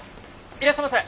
いらっしゃいませ！